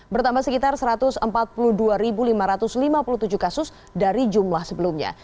bertambah sekitar satu ratus empat puluh dua lima ratus lima puluh tujuh kasus dari jumlah sebelumnya